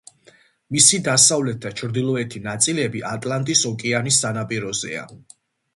მისი დასავლეთ და ჩრდილოეთი ნაწილები ატლანტის ოკეანის სანაპიროზეა.